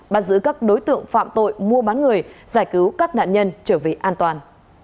bắt giữ các đối tượng phạm tội mua bán người giải cứu các nạn nhân trở về an toàn